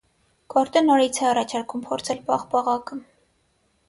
Գորտը նորից է առաջարկում փորձել պաղպաղակը։